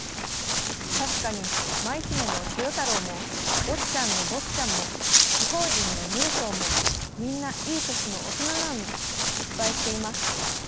確かに「舞姫」の豊太郎も「坊っちゃん」の坊っちゃんも「異邦人」のムルソーもみんないい年の大人なのに失敗しています。